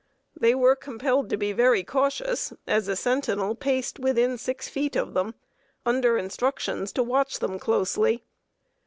They were compelled to be very cautious, as a sentinel paced within six feet of them, under instructions to watch them closely.